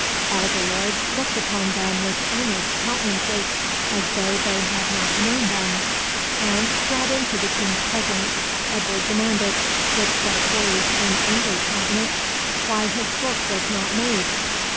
"All the lords looked upon them with earnest countenances, as though they had not known them;" and, brought into the King's presence, Edward demanded, "with sharp words and angry countenance," why his book was not made?